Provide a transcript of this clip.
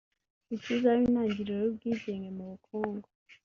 ngo ikazaba intangiriro y’ubwigenge mu bukungu